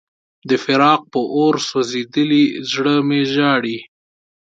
د فراق په اور سوځېدلی زړه مې ژاړي.